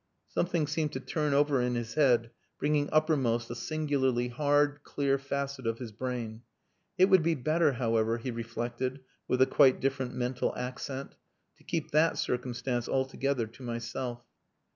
Something seemed to turn over in his head bringing uppermost a singularly hard, clear facet of his brain. "It would be better, however," he reflected with a quite different mental accent, "to keep that circumstance altogether to myself."